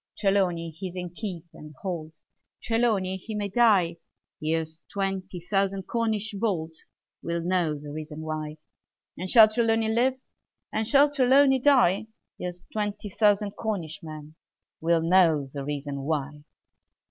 Trelawny he's in keep and hold; Trelawny he may die: Here's twenty thousand Cornish bold Will know the reason why And shall Trelawny live? Or shall Trelawny die? Here's twenty thousand Cornish men Will know the reason why!